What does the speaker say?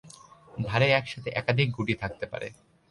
ধারে একসাথে একাধিক গুটি থাকতে পারে।